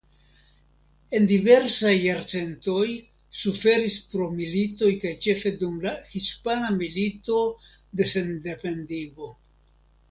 En diversaj jarcentoj suferis pro militoj kaj ĉefe dum la Hispana Milito de Sendependigo.